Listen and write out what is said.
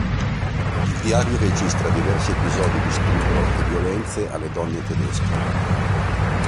Il diario registra diversi episodi di stupro e violenze alle donne tedesche.